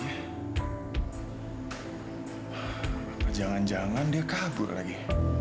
jangan jangan dia kabur lagi